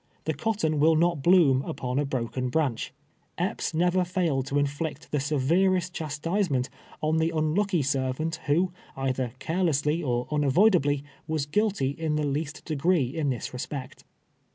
The cotton will not bloom upon a broken branch. Epps never failed to inflict the severest chastisement on the un lucky servant who, either carelessly or unavoidably, was guilty in the least degree in this respect.